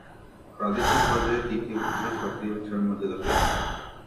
প্রাদেশিক পর্যায়ে তিনটি ভাষা সরকারী ভাষার মর্যাদা পেয়েছে।